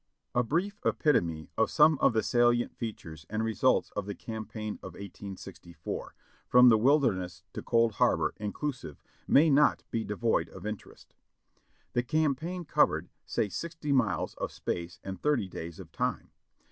A brief epitome of some of the salient features and results of the campaign of 1864, from the Wilderness to Cold Harbor, in clusive, may not be devoid of interest. The campaign covered, say sixty miles of space and thirty days of time.